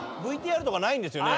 ＶＴＲとかないんですよね？